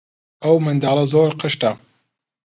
ئەو منداڵە زۆر قشتە.